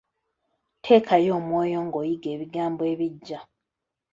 Teekayo omwoyo ng’oyiga ebigambo ebiggya.